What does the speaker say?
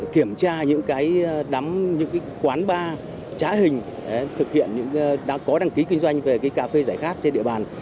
kiểm tra những quán ba trái hình thực hiện những có đăng ký kinh doanh về cà phê giải khát trên địa bàn